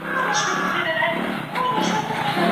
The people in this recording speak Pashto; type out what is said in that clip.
قیمت د عرضه او تقاضا د توازن نتیجه ده.